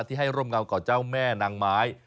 ที่ให้ร่มเงาก่อเจ้าแม่นางไม้